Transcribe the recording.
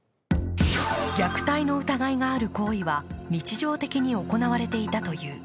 虐待の疑いがある行為は日常的に行われていたという。